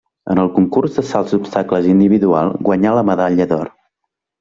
En el concurs de salts d'obstacles individual guanyà la medalla d'or.